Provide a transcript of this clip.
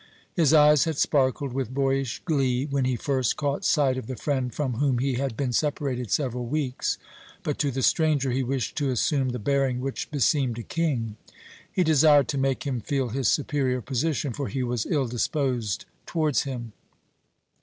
His eyes had sparkled with boyish glee when he first caught sight of the friend from whom he had been separated several weeks, but to the stranger he wished to assume the bearing which beseemed a king. He desired to make him feel his superior position, for he was ill disposed towards him.